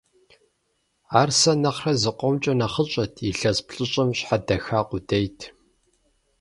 Ар сэ нэхърэ зыкъомкӀэ нэхъыщӀэт, илъэс плӀыщӀым щхьэдэха къудейт.